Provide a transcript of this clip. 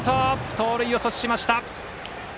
盗塁を阻止しました。